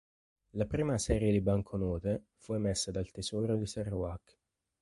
La prima serie di banconote fu emessa dal Tesoro di Sarawak.